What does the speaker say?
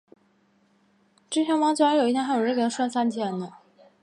龙代勒河畔拉迪尼亚克人口变化图示